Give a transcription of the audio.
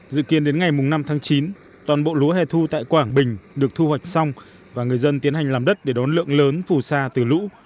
dự kiến đến ngày năm tháng chín toàn bộ lúa hẻ thu tại quảng bình được thu hoạch xong và người dân tiến hành làm đất để đón lượng lớn phù sa từ lũ